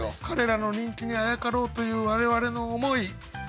彼らの人気にあやかろうという我々の思い。